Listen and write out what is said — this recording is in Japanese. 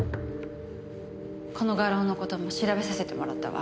この画廊の事も調べさせてもらったわ。